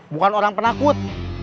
bukan orang penakut